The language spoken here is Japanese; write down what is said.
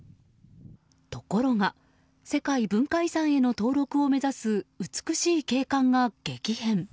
ところが世界文化遺産への登録を目指す美しい景観が激変。